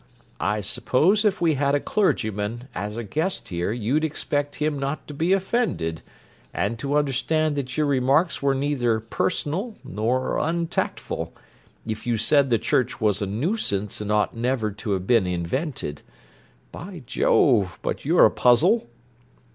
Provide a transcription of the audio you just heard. I suppose if we had a clergyman as a guest here you'd expect him not to be offended, and to understand that your remarks were neither personal nor untactful, if you said the church was a nuisance and ought never to have been invented. By Jove, but you're a puzzle!"